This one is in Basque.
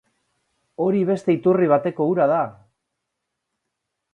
Hori beste iturri bateko ura da!